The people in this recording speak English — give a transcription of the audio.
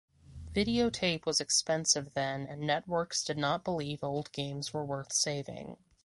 Videotape was expensive then and networks did not believe old games were worth saving.